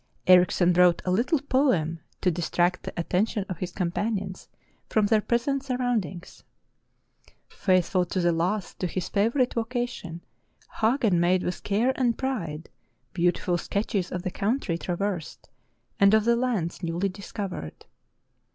Erichsen wrote a little poem to distract the attention of his companions from their present surroundings. Faithful to the last to his favorite vocation, Hagen made with care and pride beautiful sketches of the country traversed and of the lands newly discovered.